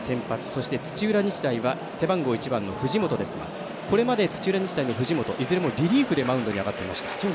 そして土浦日大は背番号１番の藤本ですがこれまで土浦日大の藤本いずれもリリーフでマウンドに上がっていました。